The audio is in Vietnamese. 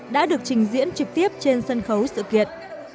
đã được trình diễn trực tiếp trên sân khấu sự kiện